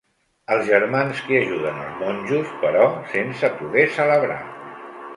Els germans que ajuden els monjos, però sense poder celebrar.